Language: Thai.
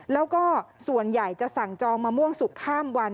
แล้วก็ส่วนใหญ่จะสั่งจองมะม่วงสุกข้ามวัน